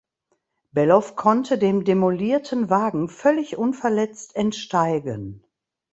Bellof konnte dem demolierten Wagen völlig unverletzt entsteigen.